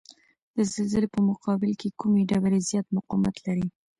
د زلزلې په مقابل کې کومې ډبرې زیات مقاومت لري؟